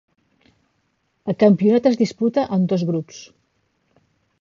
El campionat es disputa en dos grups.